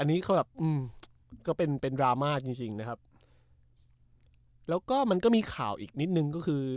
อันนี้เขาแบบอืมก็เป็นเป็นดราม่าจริงจริงนะครับแล้วก็มันก็มีข่าวอีกนิดนึงก็คือ